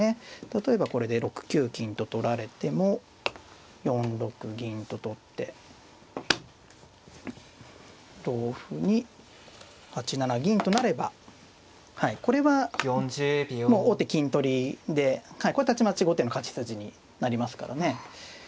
例えばこれで６九金と取られても４六銀と取って同歩に８七銀となればこれはもう王手金取りでたちまち後手の勝ち筋になりますからね。